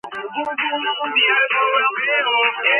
ახალგამოჩეკილი მატლი ჭამს ცრუფარიანას კვერცხებს.